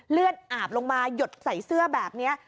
เลือดอาบลงมาหยดใส่เสื้อแบบนี้